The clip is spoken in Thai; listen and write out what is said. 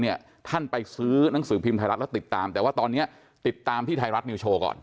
ท่านไปซื้อหนังสือพิมพ์ไทยรัฐแล้วติดตามแต่ว่าตอนนี้ติดตามที่ไทยรัฐนิวโชว์ก่อน